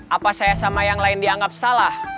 apa saya sama yang lain dianggap salah